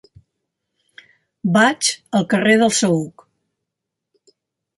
Vaig al carrer del Saüc.